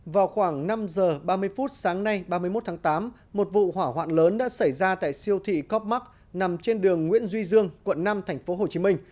vào khoảng năm h ba mươi phút sáng nay ba mươi một tháng tám một vụ hỏa hoạn lớn đã xảy ra tại siêu thị copmark nằm trên đường nguyễn duy dương quận năm tp hcm